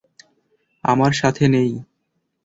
আমার সাথে নেই।